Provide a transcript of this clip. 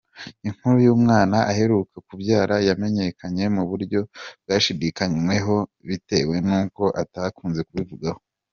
Inkuru y’umwana aheruka kubyara yamenyekanye mu buryo bwashidikanywagaho bitewe n’uko atakunze kubivugaho.